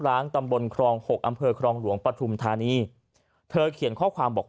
ล้างตำบลครองหกอำเภอครองหลวงปฐุมธานีเธอเขียนข้อความบอก